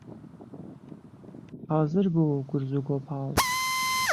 حازر بوو گورز و گۆپاڵ